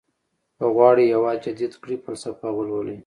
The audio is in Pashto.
که غواړئ هېواد جديد کړئ فلسفه ولولئ.